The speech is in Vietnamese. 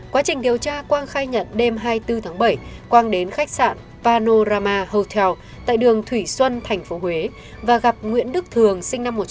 quá trình điều tra quang khai nhận đêm hai mươi bốn tháng bảy quang đến khách sạn panorama houthio tại đường thủy xuân tp huế và gặp nguyễn đức thường sinh năm một nghìn chín trăm bảy mươi